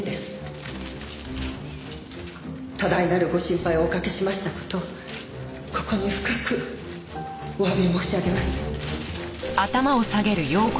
多大なるご心配をおかけしました事ここに深くお詫び申し上げます。